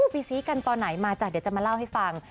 ไปซี้กันตอนไหนมาจากเดี๋ยวจะมาเล่าให้ฟัง